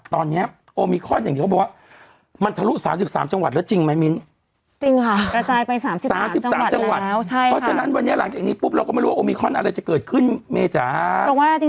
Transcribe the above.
ถ้านับตั้งแต่๑พฤศจิกายน